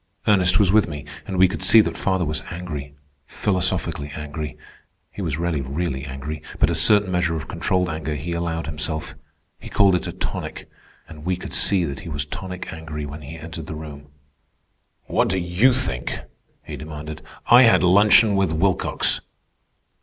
Ernest was with me, and we could see that father was angry—philosophically angry. He was rarely really angry; but a certain measure of controlled anger he allowed himself. He called it a tonic. And we could see that he was tonic angry when he entered the room. "What do you think?" he demanded. "I had luncheon with Wilcox."